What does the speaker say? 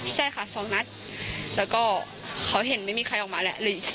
ใช่ค่ะสองนัดแล้วก็เขาเห็นไม่มีใครออกมาแหละ